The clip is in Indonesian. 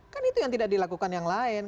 kan itu yang tidak dilakukan yang lain